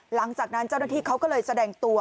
หลังจากนั้นเจ้าหน้าที่เขาก็เลยแสดงตัว